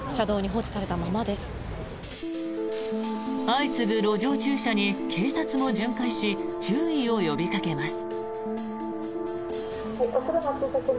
相次ぐ路上駐車に警察も巡回し注意を呼びかけます。